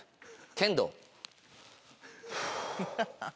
「剣道」。